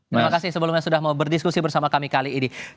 terima kasih sebelumnya sudah mau berdiskusi bersama kami kali ini